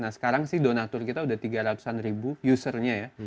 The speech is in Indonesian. nah sekarang sih donatur kita udah tiga ratus an ribu usernya ya